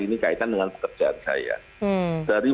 ini kaitan dengan pekerjaan saya